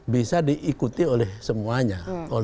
bisa diikuti oleh semuanya